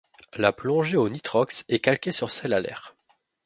La plongée au nitrox est calquée sur celle à l'air.